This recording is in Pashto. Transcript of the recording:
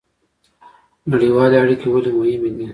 نړیوالې اړیکې ولې مهمې دي؟